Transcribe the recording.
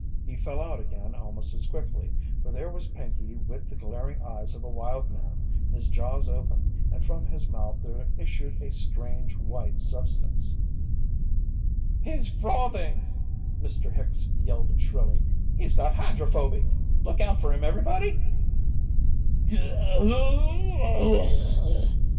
He fell out again almost as quickly, for there was Pinkey with the glaring eyes of a wild man, his jaws open, and from his mouth there issued a strange white substance. "He's frothin'!" Mr. Hicks yelled shrilly. "He's got hydrophoby! Look out for him everybody!"